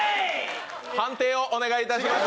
判定をお願いいたします